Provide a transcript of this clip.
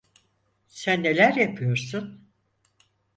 Sen neler yapıyorsun?